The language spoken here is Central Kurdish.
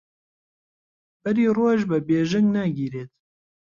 بەری ڕۆژ بە بێژنگ ناگیرێت